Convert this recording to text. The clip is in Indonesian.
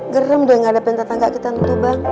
gerem deh ga ada pentatangga kita nuntuh bang